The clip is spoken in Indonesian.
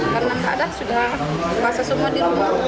karena tak ada sudah pas semua di rumah